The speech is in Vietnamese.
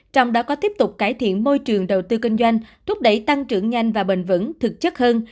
trong đó có tiếp tục cải thiện môi trường đầu tư kinh doanh thúc đẩy tăng trưởng nhanh và bền vững thực chất hơn